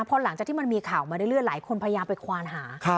พอหลังจากที่มันมีข่าวมาเรื่อยหลายคนพยายามไปควานหา